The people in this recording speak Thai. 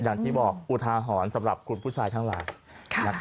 อย่างที่บอกอุทาหรณ์สำหรับคุณผู้ชายทั้งหลาย